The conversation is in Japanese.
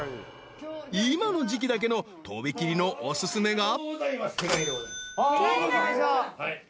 ［今の時季だけの飛び切りのお薦めが］